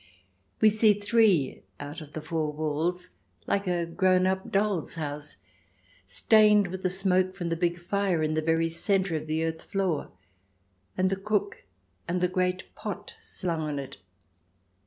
We see three out of the four walls, like a grown up doll's house, stained with the smoke from the big fire in the very centre of the earth floor, and the crook and the great pot slung on it.